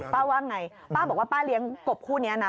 ว่าไงป้าบอกว่าป้าเลี้ยงกบคู่นี้นะ